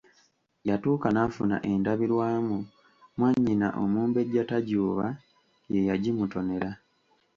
Yatuuka n'afuna endabirwamu, mwannyina Omumbejja Tajuuba ye yagimutonera.